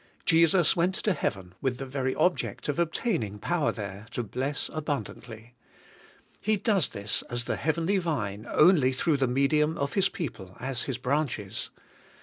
Jesus went to heaven with the very object of obtaining power there to bless abun dantly. He does this as the heavenly Vine only through the medium of His people as His branches.